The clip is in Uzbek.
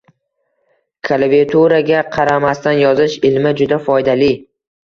Klaviaturaga qaramasdan yozish ilmi juda foydali